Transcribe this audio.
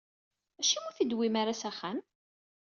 Acimi ur t-id-tewwim ara s axxam?